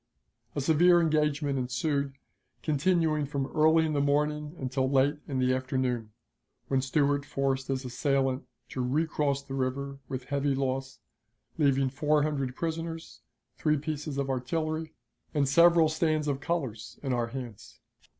A severe engagement ensued, continuing from early in the morning until late in the afternoon, when Stuart forced his assailant to recross the river with heavy loss, leaving four hundred prisoners, three pieces of artillery, and several stands of colors in our hands.